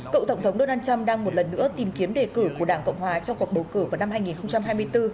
cựu tổng thống donald trump đang một lần nữa tìm kiếm đề cử của đảng cộng hòa trong cuộc bầu cử vào năm hai nghìn hai mươi bốn